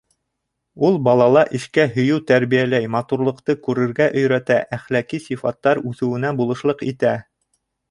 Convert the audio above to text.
Ул балала эшкә һөйөү тәрбиәләй, матурлыҡты күрергә өйрәтә, әхләҡи сифаттар үҫеүенә булышлыҡ итә.